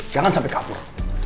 jangan sampai kabur